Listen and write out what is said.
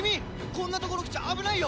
こんなところ来ちゃ危ないよ！